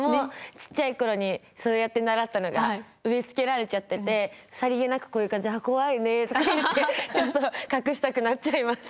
ちっちゃい頃にそうやって習ったのが植え付けられちゃっててさりげなくこういう感じで「怖いよね」とか言ってちょっと隠したくなっちゃいます。